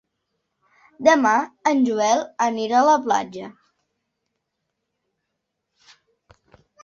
Demà en Joel anirà a la platja.